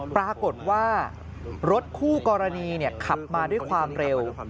ปรากฏว่ารถคู่กรณีขับมาด้วยความเร็ว